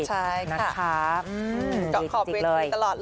ใช่ค่ะ